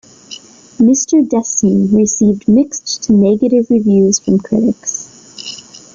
"Mr. Destiny" received mixed to negative reviews from critics.